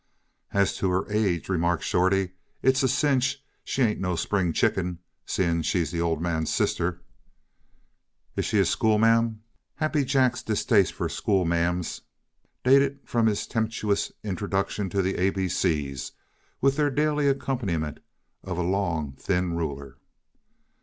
"As to her age," remarked Shorty, "it's a cinch she ain't no spring chicken, seeing she's the Old Man's sister." "Is she a schoolma'am?" Happy Jack's distaste for schoolma'ams dated from his tempestuous introduction to the A B C's, with their daily accompaniment of a long, thin ruler.